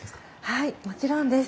はいもちろんです。